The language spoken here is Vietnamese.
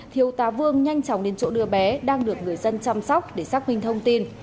thiếu tá vương nhanh chóng đến chỗ đưa bé đang được người dân chăm sóc để xác minh thông tin